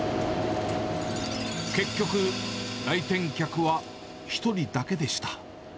結局、来店客は１人だけでした。